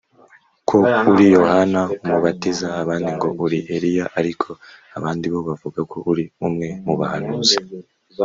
ko uri Yohana Umubatiza abandi ngo uri Eliya ariko abandi bo bavuga ko uri umwe mubahanuzi